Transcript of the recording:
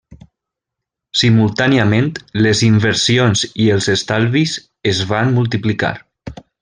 Simultàniament, les inversions i els estalvis es van multiplicar.